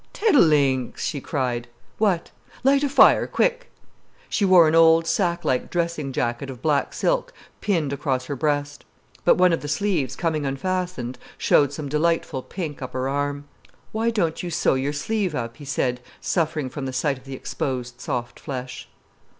"Teddilinks," she cried. "What?" "Light a fire, quick." She wore an old, sack like dressing jacket of black silk pinned across her breast. But one of the sleeves, coming unfastened, showed some delightful pink upper arm. "Why don't you sew your sleeve up?" he said, suffering from the sight of the exposed soft flesh.